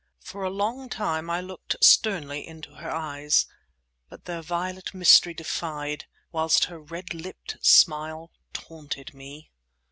For a long time I looked sternly into her eyes; but their violet mystery defied, whilst her red lipped smile taunted me.